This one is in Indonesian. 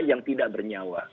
yang tidak bernyawa